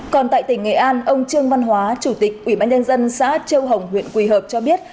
còn tại tỉnh nghệ an ông trương văn hóa chủ tịch ủy ban nhân dân xã châu hồng huyện quỳ hợp cho biết